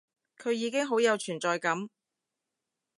佢已經好有存在感